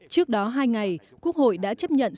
trước đó hai ngày quốc hội đã chấp nhận